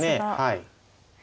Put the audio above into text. はい。